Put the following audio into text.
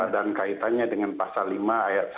dan kaitannya dengan pasal lima ayat satu